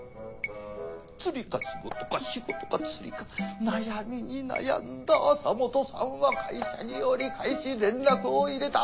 釣りか仕事か仕事か釣りか悩みに悩んだ朝本さんは会社に折り返し連絡をいれた。